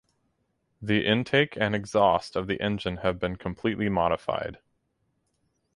The intake and exhaust of the engine have been completely modified.